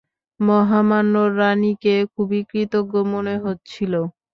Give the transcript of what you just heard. মহামান্য রানিকে খুবই কৃতজ্ঞ মনে হচ্ছিল।